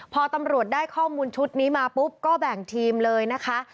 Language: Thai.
พอตำรวจได้ข้อมูลชุดนี้มาปุ๊บก็แบ่งทีมเลยนะคะ